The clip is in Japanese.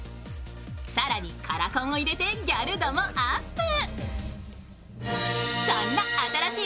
更にカラコンを入れてギャル度もアップ。